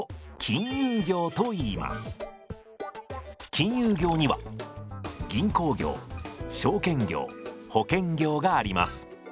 金融業には銀行業証券業保険業があります。